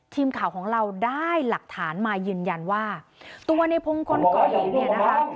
ทีมข่าวของเราได้หลักฐานมายืนยันว่าตัวในพงศ์คนก่อเหตุเนี่ยนะคะ